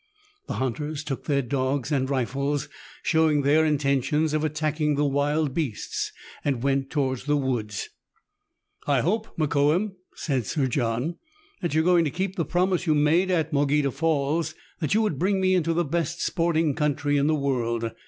The hunters took their dogs and rifles, showing their intention of attacking the wild beasts, and went towards the woods. " I hope, Mokoum," said Sir John, " that you are going to keep the promise you made at the Morgheda Falls, that you would bring me into the best sporting country in the world.